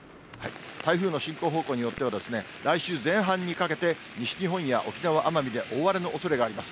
台風の進行方向によっては、来週前半にかけて、西日本や沖縄・奄美で大荒れのおそれがあります。